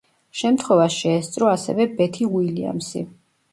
შემთხვევას შეესწრო ასევე ბეთი უილიამსი.